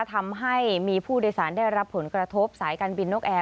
ทำให้มีผู้โดยสารได้รับผลกระทบสายการบินนกแอร์